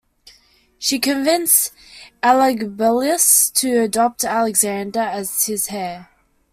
She convinced Elagabalus to adopt Alexander as his heir.